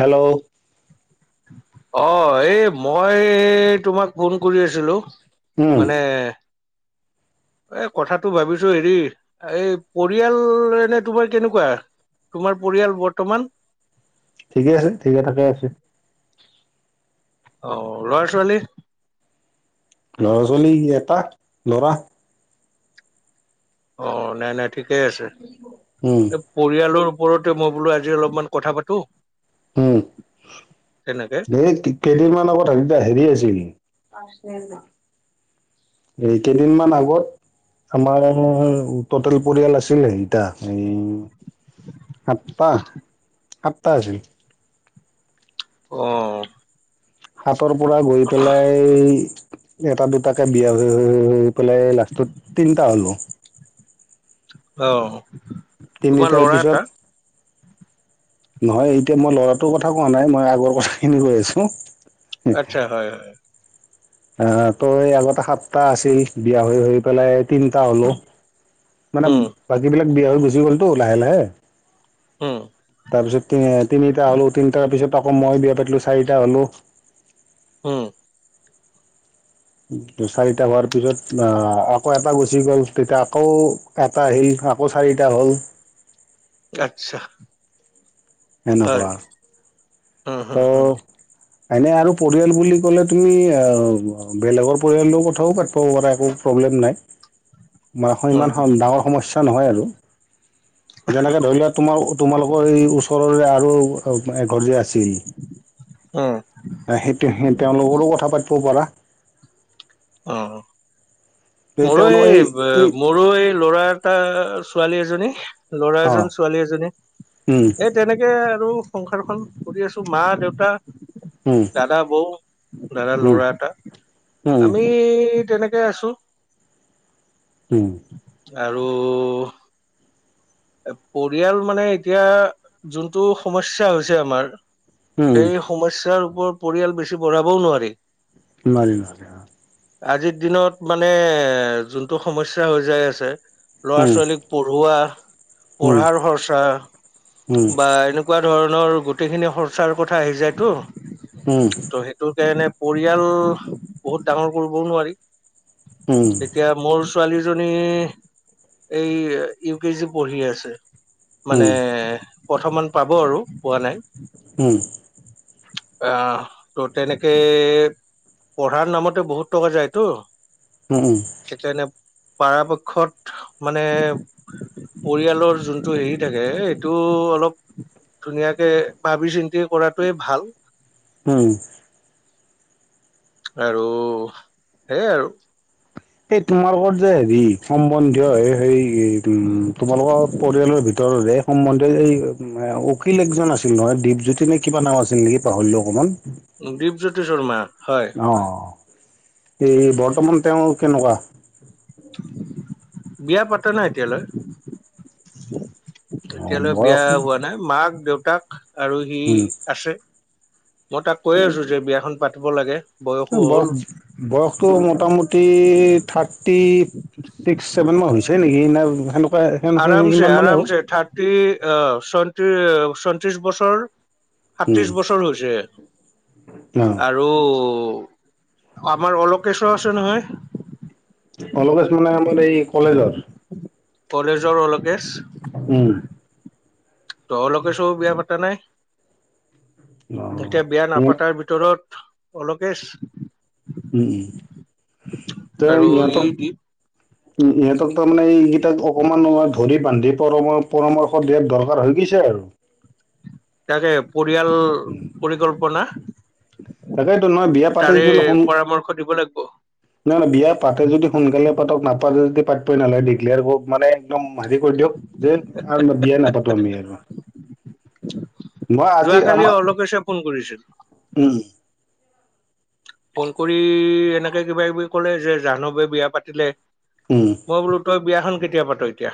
Hello অ' এই মই তোমাক ফোন কৰি আছিলো উম মানে [inaudible] এ কথাটো ভাবিছো হেৰি এই পৰিয়াল এনে তোমাৰ কেনেকুৱা। তোমাৰ পৰিয়াল বৰ্তমান। ঠিকে আছে ঠিকে থাকে আছো। আহ লৰা-ছোৱালী। ল'ৰা-ছোৱালী এটা লৰা। অ' নাই নাই ঠিকেই আছে উম এই পৰিয়ালৰ। ওপৰতে মই বোলো আজি অলপমান কথা পাতো। হম। তেনেকে এই কেইদিনমান আগত হ হেৰি আছিল। এই কেইদিন মান আগত। আমাৰ টেল পৰিয়াল আছিল। সেতা এই আপা আ্তা আছিল। অ'। তৰ পৰা গৈ পেলাই। এটা দুটাকে বিয়া পেলাই লাষ্টত তিনটা হ'লো। আহ তিনিটাৰ পিছত। নহয় এতিয়া মই লৰাটোৰ কথা কোৱা নাই মই আগৰ কথা খিনি কৈ আছো। আচ্ছা হয় হয়। অ' তই আগতে সাতটা আছিল বিয়া হৈ হৈ পেলায়। তিনিটা হ'লো মানে উম, বাকীবিলাক বিয়া হৈ গুচি গ'লতো লাহে লাহে। উম, তাৰ পিছত তিনিটা হ'লও তিনিটাৰ পিছত। আকৌ মই বিয়া পাতিলো চাৰিটা হ'লো। উম। চাৰিটা হোৱাৰ পিছত অ' আকৌ এটা গুচি গ'ল তেতিয়া আকৌ এটা আহিল। আকৌ চাৰিটা হ'ল। আচ্ছা। এনেকা। হ হা হা। এনে আৰু পৰিয়াল বুলি ক'লে তুমি অ' বেলেগৰ পৰিয়ালৰ কথাও পাতিব পাৰা। প্ৰলেম ডা নহ উম, [unintelligible] যেনেকে ধৰি লোৱা তোমাৰ তোমালোকৰ এই ওচৰৰে আৰু এঘৰ যে আছিল। অ'। সেইটো সেইটোৱে এ তেওঁলোকৰো কথা পাতব পাৰা। অ মোৰো, এই মোৰো এই ল'ৰা এটা ছোৱালী এজনী, ল'ৰা অ এজন, ছোৱালী এজনী। উম এ তেনেকে আৰু সংসাৰখন কৰি আছোঁ। মা-দেউতা। উম দাদা, বৌ। দাদাৰ উম ল'ৰা এটা। সেই তেনেকে আছো। উম। আৰু পৰিয়াল মানে এতিয়া যোনটো সমস্যা হৈছে আমাৰ। উম এই সমস্যাৰ ওপৰত পৰিয়াল বেছি বঢ়াবও নোৱাৰি। নোৱাৰি, নোৱাৰি অ। আজিৰ দিনত মানে যোনটো সমস্যা হৈ যাই আছে উম ল'ৰা-ছোৱালীক পঢ়োৱা, উম পঢ়াৰ খৰচা উম উম বা এনেকুৱা ধৰণৰ গোটেইখিনি খৰচাৰ কথা আহি যায়টো। উম ত সেইটো কাৰণে পৰিয়াল বহুত ডাঙৰ কৰবও নোৱাৰি। এতিয়া মোৰ ছোৱালীজনী এই ইউ কে জি পঢ়ি আছে। উম উম মানে উম প্ৰথমান পাব আৰু পোৱা নাই। আহ ত তেনেকে পঢ়াৰ নামতে বহুত টকা যায়তো। সেইকাৰণে পাৰাপক্ষত মানে পৰিয়ালৰ যোনটো হেৰি থাকে এইটো অলপ ধুনীয়াকে ভাবি চিন্তি কৰাটোৱে ভাল। হুম। আৰু সেইয়াই আৰু। এই তোমালোকৰ যে হেৰি সম্বন্ধীয় এই সেই উম তোমালোকৰ পৰিয়ালৰ ভিতৰৰে সম্বন্ধে এই অখিল একজন আছিল নহয়। দীপজ্যোতি নে কিবা নাম আছিল নেকি? পাহৰিলো অকমান। দীপজ্যোতি চৰ্মা। অ এই বৰ্তমান তেওঁ কেনেকুৱা? বিয়া পাতা নাই এতিয়ালৈ। অ এতিয়ালৈ বিয়া বয়স হোৱা নাই। মাক, দেউতাক আৰু সি উম আছে। মই তাক কৈয়ে আছো যে বিয়াখন পাতিব লাগে। বয়সো এ হ'ল বয়স, বয়সটো মোটামুটি টি থাৰ্টি ছিক্স, চেভেন মান হৈছে নেকি না সেনে আৰামছে, আৰামছে। থাৰ্টি অ ছয়ত্ৰিশ, ছয়ত্ৰিশ বছৰ, উম সাতত্ৰিশ বছৰ হৈছে। অ আৰু আমাৰ অলোকেচো আছে নহয়। অলকেচ মানে আমাৰ এই কলেজৰ? কলেজৰ অল উম। তহলোকে চ বিয়া পাতা নাই? অ তেতিয়া বিয়া উম নাপাতাৰ ভিতৰত অলকেচ উম ত আৰু ই ইহঁতক উ ইহঁতক তাৰ মানে এইকেইটাক অকমান ধৰি বান্ধি পৰ পৰামৰ্শ দিয়াত দৰকাৰ হয় কিছু সেয়াই আৰু। তাকে পৰিয়াল পৰিকল্পনা। তাকেতো নহয়, বিয়া পাতি তাৰে যদি অলপ শুন পৰামৰ্শ দিব লাগিব ন ন বিয়া পাতে যদি সোনকালে পাতক, নাপাতে যদি পাতপই নালগে। দিগলিয়াৰ কৰক মানে একদম মাৰি কৰি দিয়ক যে আৰু বিয়া নাপাতো আমি আৰু। মই আজি যোৱাকালি আমাৰ অলোকেচে ফোন কৰিছিল। উম ফোন কৰি এনেকে কিবা কিবি কলে যে জাহ্নৱে বিয়া পাতিলে উম মই বোলো তই বিয়াখন কেতিয়া পাত এতিয়া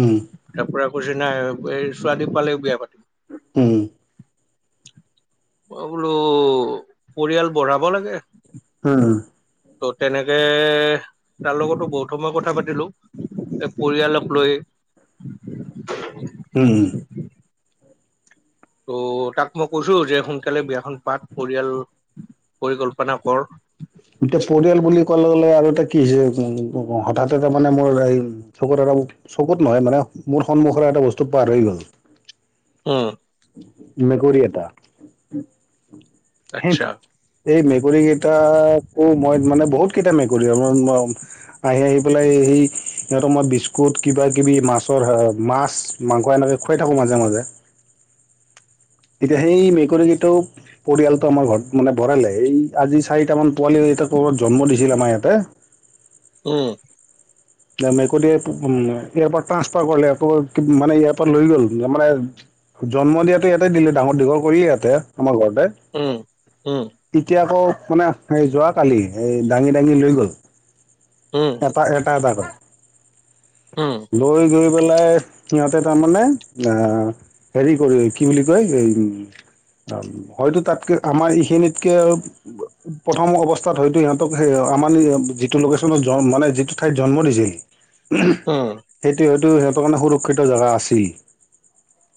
উম তাৰ পৰা কৈছে নাই এই ছোৱালী পালেই‌ বিয়া পাতিম। হম বোলো পৰিয়াল বঢ়াব লাগে হম ত' তেনেকে তাৰ লগতো বহুত সময় কথা পাতিলো পৰিয়ালক লৈ উম ত' তাক মই কৈছো যে সোনকালে বিয়াখন পাত পৰিয়াল পৰিকল্পনা কৰ এতিয়া পৰিয়াল বুলি ক'লে গলে আৰু এটা কি হৈছে উম হঠাৎ এটা মানে মোৰ এই চকুৰ চকুত নহয় মানে মোৰ সন্মুখৰে এটা বস্তু পাৰ হৈ গ'ল উম মেকুৰী এটা হ আচ্ছা এই মেকুৰী কেইটাকো মই মানে বহুত কেইটা মেকুৰী উলিয়াব নোৱাৰোঁ আহি আহি পেলাই সেই সিহঁতৰ মই বিস্কুট কিবা কিবি মাছৰ মাছ মাংস এনেকে খুৱাই থাকো মাজে মাজে [inaudible] এতিয়া সেই মেকুৰীকেইটো পৰিয়ালটো আমাৰ ঘৰত মানে ভৰালে এই আজি চাৰিটামান পোৱালি ইয়া ক'বাত জন্ম দিছিল আমাৰ ইয়াতে উম মেকুৰীটোয়ে এয়াৰপৰ্ট ট্ৰানসফাৰ কৰিলে আকৌ মানে এয়াৰপৰা লৈ গ'ল মানে জন্ম দিয়াতো ইয়াতে দিলে ডাঙৰ দীঘল কৰিয়ে ইয়াতে আমাৰ উম উম ঘৰত এতিয়া আকৌ মানে সেই যোৱা কালি এই দাঙি দাঙি লৈ গল উম এটা এটা এটা কৈ উম লৈ গৈ পেলাই সিহঁতে তাৰ মানে আহ হেৰি কৰি কি বুলি কয় অ হয়তো তাতকে আমাৰ এইখিনিতকে প্ৰথম অৱস্থাত হয়তো সিহঁতক সেই আমাৰ যিটো লোকেশ্যনত মানে যিটো ঠাইত জন্ম দিছিল উম সেইটো সিহঁতৰ কাৰণে সুৰক্ষিত জেগা আছিল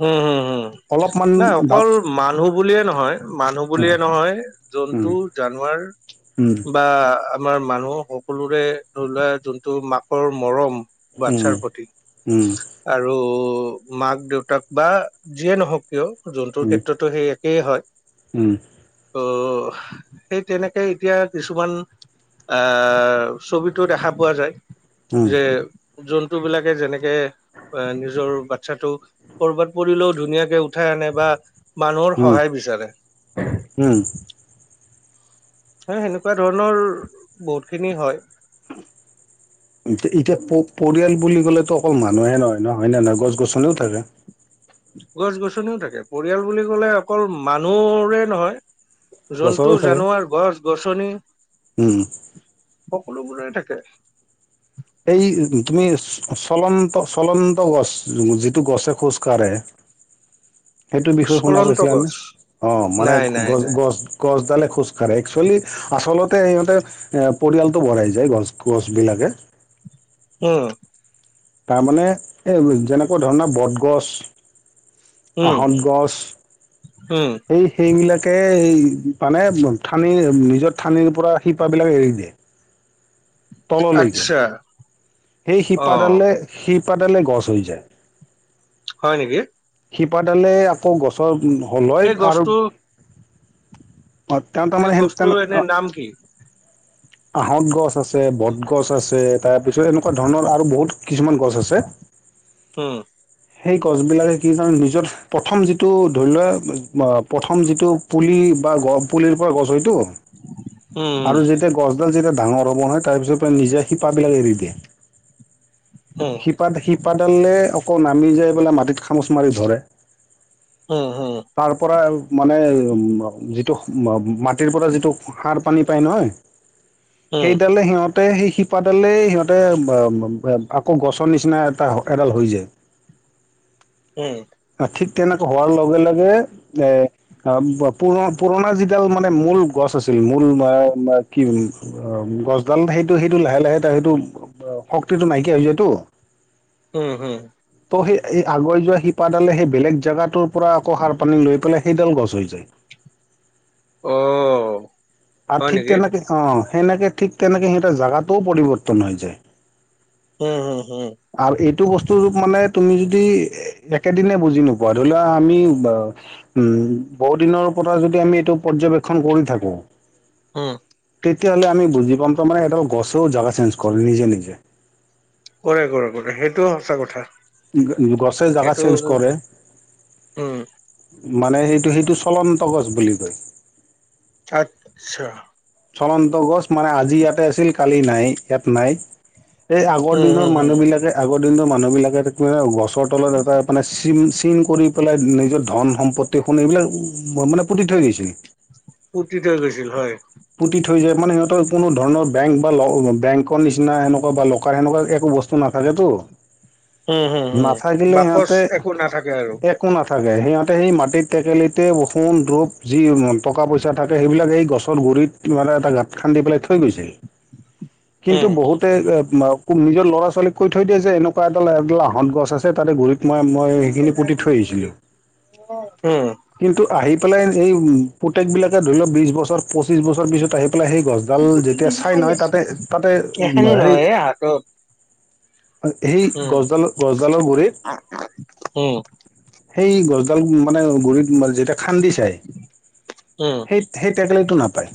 হম হম উ অলপমান নাই ডা অকল মানুহ বুলিয়ে নহয় মানুহ বুলিয়ে নহয় উম জন্তু জানৱাৰ উম বা আমাৰ মানুহ সকলোৰে ধৰি লোৱা যোনটো মাকৰ মৰম উম বাচ্ছাৰ প্ৰতি উম উম আৰু মাক দেউতাক বা যিয়ে নহওক কিয় জন্তুৰ ক্ষেত্ৰতো সেই একেই হয় উম ত সেই তেনেকে এতিয়া কিছুমান আহ ছবিটো দেখা পোৱা যায় উম যে জন্তুবিলাকে যেনেকে এ নিজৰ বাচ্ছটোক কৰ'বাত পৰিলেও ধুনীয়াকে উঠাই আনে বা মানুহৰ উম সহায় বিচাৰে উম হে সেনেকুৱা ধৰণৰ বহুত খিনি হয় এ এতিয়া পৰিয়াল বুলি ক'লেটো অকল মা মানুহে নহয় নয় নহয় গছ গছনিও থাকে গছ গছনিও থাকে পৰিয়াল বুলি কলে অকল মানুহৰে নহয় জন্তু, জানুৱাৰ, গছ -গছনি, হম সকলোবোৰে থাকে এই তুমি চলন্ত চলন্ত গছ যিটো গছে খোজ কাঢ়ে [inaudible] সেইটো বিষয়ে শুনা চলন্ত পাইছিলা নে গছ অ মানে নাই নাই গছ নাই গছ গছডালে খোজ একচুৱেলি আচলতে সিহঁতে এ পৰিয়ালটো বঢ়াই যায়। গছ গছবিলাকে উম তাৰমানে এই যেনেকুৱা ধৰণৰ বটগছ। উম আহত গছ উম এই সেইবিলাক। তাকে মানে ঠানিৰ নিজৰ ঠানিৰ পৰা শিপা বিলাক এৰি দিয়ে। তললৈকে আচ্ছা সেই অ শিপাডালে শিপাডালে গছ হৈ যায়। হয় নেকি? শিপাডালে আকৌ গছৰ হ'ল হয় এই আৰু গছটো অত্যন্ত এই মানে হে তে গছটো এনে নাম কি আহত গছ আছে বটগছ আছে তাৰপিছত এনেকুৱা ধৰণৰ আৰু বহুত কিছুমান গছ আছে। উম সেই গছ বিলাকে কি জান নিজৰ প্ৰথম যিটো ধৰি লোৱা প্ৰথম যিটো পুলি। কিবা গপ পুলি পৰা গছ হয়টো উম আৰু যেতিয়া গছ। ডাল যেতিয়া ডাঙৰ হ'ব নহয়। তাৰ পিছত নিজে শিপাবলাক এৰি দিয়ে। উম শিপা শিপাডালে আকৌ নামি যাই পেলাই। মাটিত খামুচ মাৰি ধৰে। উম উম তাৰ পৰা মানে উম। মাটিৰ পৰা যিটো সাৰ পানী পায় নহয়। উম সেইডালে সিহঁত। হতে সেই শিপাডালেই সিহঁতে বাম আকৌ গছৰ নিচিনা এটা এডাল হৈ যায়। উম ঠিক তেনেকা হোৱাৰ লগে লগে এ আম। পুৰণা যিডাল মানে মূল গছ আছে। কিল মূল মাৰ্কি আম গছ ডাল সেইটো। সেইটো লাহে লাহে তা সেটো টো নাইকিয়া হৈ যায় টো। হম হম। সেই এই আগৈ যোৱা শিপাডালে সেই বেলেগ জাগগাটোৰ পৰা আকৌ সাৰ পানী লৈ পেলায়। সেইডাল গছ হৈ যায়। অ'। আৰু হয় ঠিক নেকি তেনেকে অ' সেনেকে ঠিক তেনেকে সিহঁতৰ জোগাটোও পৰিৱৰ্তন হৈ যায়। উম হম হম। আৰু এইটো বস্তু ৰ মানে তুমি যদি একেদিনে বুজি নোপোৱা ধৰি লোৱা। আমি বা বহু দিনৰ পৰা যদি আমি এইটো পৰ্যবেক্ষন কৰি থাকো। অ' তেতিয়াহলে আমি বুজি পাম তাৰ মানে সিহঁতৰ গছেও জাগা চেঞ্জ কৰি নিজে নিজে। কৰে কৰে কৰে সেইটোও সঁচা কথা। গছে জাগা সেইটো চেঞ্জ কৰে। উম মানে সেইটো সেইটো চলন্ত গছ বুলি কয়। আচছা চলন্ত গছ মানে আজি ইয়াতে আছিল কালি নাই ইয়াত নাই। এই আগৰ উম দিনৰ হম মানুহ হম বিলাকে আগতে দিন মানুহবিলাকে গছৰ তলত এটা মানে চিন কৰি পেলাই নিজৰ ধন সম্পত্তি। সোন এইবিলাক মানে পুতি থৈ দিছিল। পুটি থৈ গৈছিল হয়। পুতি থৈ যায় মানে সিহঁতৰ কোনো ধৰণৰ বেংক বা বেংকৰ নিচিনা সেনেকুৱা বা লকাৰ সেনেকোৱা একো। বস্তু নাথাকেটো উম হম হম নাথাকিলে বাকচ সিহঁতে একো নাথাকে আৰু আকো নাট থাকে সিহঁতে সেই মাটিত টেকেলিতে সোন ৰূপ যি টকা পইচা থাকে সেইবিলাকে গছ গুৰিত মানে এটা গাঁত খান্দি পেলাই থৈ গৈছে কিন্তু উম বহুতে। নিজৰ ল'ৰা-ছোৱালীক কৈ থৈ দিয়ে যে এনেকুৱা এটা লাহত গছ আছে তাতে ঘূৰিত মই মই সেইখিনি পুটি থৈ আহিছিলোঁ উম কিন্তু আহি। পেলাই এই পুতেক বিলাকে ধৰি লও বিশ বছৰ পঁচিছ বছৰ পিছত আহিপ সেই গছ ডাল যেতিয়া চাই নহয় তাতে তাতে এইখিনি হেই নহয় এ হাতত সেই উম গছডালৰ গছডালৰ গুৰিত উম সেই গছডাল মানে গুৰিত যেতিয়া খান্দি চাই উম সেই সেই টেকেলিত টো নাপাই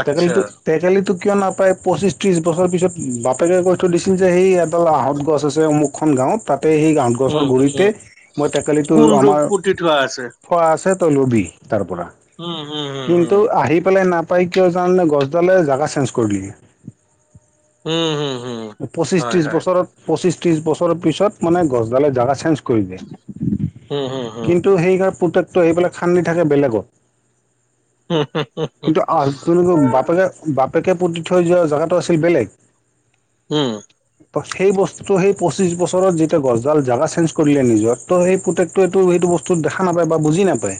আচ্ছা টেকেলিটো টেকেলিটোত কিয় নাপায় পঁচিছ ত্ৰিছ বছৰ পিছত বাপেকে কৈ থৈ দিছিল যে সেই এডাল আহঁত গছ আছে মোক এখন গাঁৱত তাত তাতে সেই আহঁত গছৰ উম গুডৰিতে উম মই টেকেলিটো সোণৰূপ আমাৰ পুতি থোৱা আছে থোৱা আছে তই লবি তাৰ পৰা উম হম হম কিন্তু হম আহি পেলাই নাপাই কিয় জানে গছডালে জোগা চেঞ্জ কৰি দিলে উম হম হম পঁচিছ হয় ত্ৰিশ হয় বছৰত পঁচিছ ত্ৰিছ বছৰ পিছত মানে গছডালে জাগা চেঞ্জ কৰিলে উম হম হম কিন্তু সেইকাৰ পুতেকটো এইবিলাক খান্দি থাকে বেলেগত হম হম হম কিন্তু হম আপোনালোকৰ বাপেকে বাপেকে পুতি থৈ যোৱা জেগাটো আছিল বেলেগ। উম সেই বস্তুটো, সেই পচিছ বছৰত যেতিয়া গছডাল জেগা চেঞ্জ কৰিলে নিজৰ, ত সেই পুতেকটোৱে টো সেইটো বস্তুত দেখা নাপায় বা বুজি নাপায়।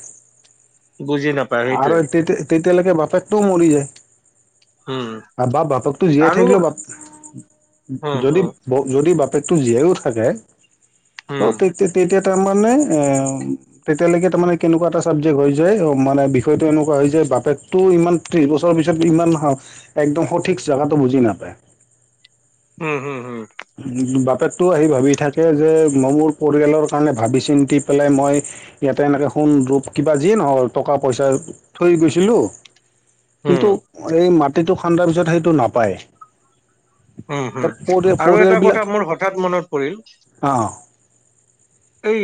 বুজি নাপায় আৰু সেইটোৱে। তেতিয়া তেতিয়ালৈকে বাপেকটোও মৰি যায়। হুম আবা বাপকতো জীয়াই থাকিলে অলপ, হম যদি হম যদি বাপ পুতেক টো জীয়াও থাকে, ত উম তে তেতিয়া তাৰমানে এ তেতিয়ালৈকে ত মানে কেনেকুৱা এটা চাবজেক্ হৈ যায়, মানে বিষয়টো এনেকুৱা হৈ যায়, বাপেকটো ইমান এইটো এবছৰ পিছত ইমান একদম সঠিক জাগাটো বুজি নাপায়। উম হুম হুম বাপেকতটো আহি ভাবি থাকে যে মই মোৰ পৰিয়ালৰ কাৰণে ভাবি চিন্তি পেলাই মই ইয়াতে এনেকে সোণ ৰূপ কিবা যিয়ে নহও টকা পইচা থৈ গৈছিলো। কিন্তু উম এই মাটিটো খান্দাৰ পিছত সেইটো নাপায়। উম হুম পৰি আৰু এটা কথা পৰিয়ালবিলাক মোৰ হৰ্ঠাত মনত পৰিল। অঁ এই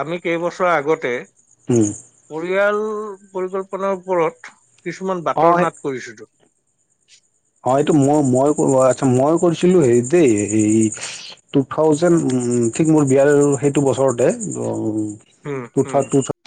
আমি কেইবছৰ আগতে পৰিয়াল পৰিকল্পনাৰ ওপৰত কিছুমান বাতৰ নাট কৰিছিলো। অ এইটো মই মই আচ্ছা মই কৰিছিলো হে দেই হে টু থাউজেণ্ড উ ঠিক মোৰ বিয়াৰ সেইটো বছৰতে। উম, উম। উঠাটো উঠাটো